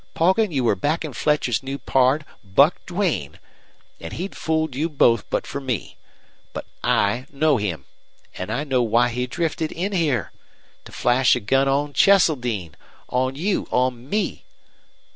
Poggin, you were backin' Fletcher's new pard, Buck Duane. An' he'd fooled you both but for me. But I know him. An' I know why he drifted in here. To flash a gun on Cheseldine on you on me!